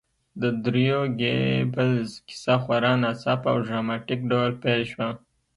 د دریو ګيبلز کیسه خورا ناڅاپه او ډراماتیک ډول پیل شوه